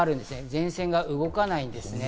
前線が動かないんですね。